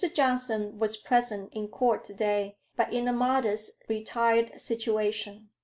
Johnson was present in Court to day, but in a modest, retired situation.